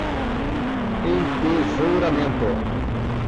Entesouramento